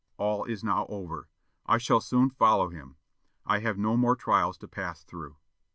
All is now over. I shall soon follow him. I have no more trials to pass through."